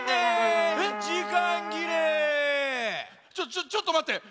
ちょちょっとまって。